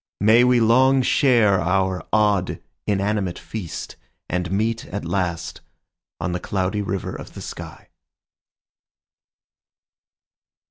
May we long share our odd, inanimate feast, And meet at last on the Cloudy River of the sky.